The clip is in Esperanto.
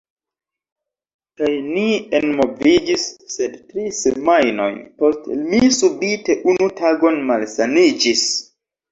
Kaj ni enmoviĝis, sed tri semajnojn poste, mi subite unu tagon malsaniĝis.